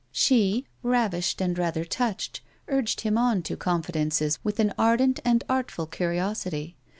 She, ravished and rather touched, urged him on to confidences with an ardent and artful curiosity.